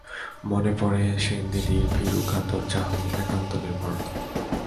মনে পড়ে সেনদিদির ভীরু কাতর চাহনি, একান্ত নির্ভরতা।